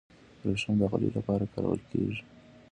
وریښم د غالیو لپاره کارول کیږي.